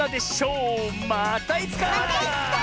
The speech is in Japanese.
またいつか！